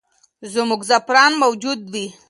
زموږ زعفران موجود وي.